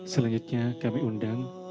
selanjutnya kami undang